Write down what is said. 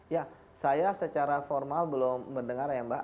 ya saya secara formal belum mendengar ya mbak